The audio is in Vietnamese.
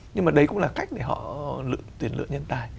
nhưng mà đấy cũng là cách để họ tuyển lựa nhân tài